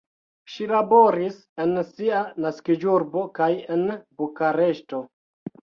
Ŝi laboris en sia naskiĝurbo kaj en Bukareŝto.